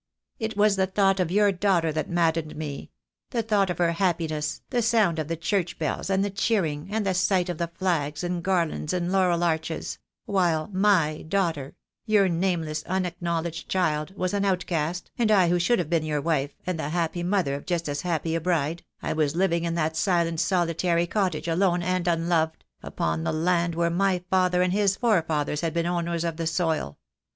It was the thought of your daughter that maddened me — the thought of her happiness, the sound of the church bells and the cheering, and the sight of the flags and garlands and laurel arches — while my daughter, your nameless, unacknowledged child, was an outcast, and I who should have been your wife, and the happy mother of just as happy a bride, I was living in that silent solitary cottage alone and unloved — upon the land where my father and his forefathers had been owners of the soil.